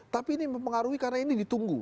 tapi ini mempengaruhi karena ini ditunggu